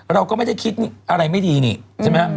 เราก็ไม่ได้คิดอะไรไม่ดีนี่ใช่ไหมฮะ